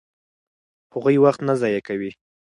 هغوی وخت نه ضایع کوي.